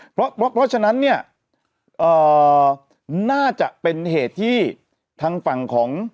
เพราะฉะนั้นเนี่ยน่าจะเป็นเหตุที่ทางฝั่งของ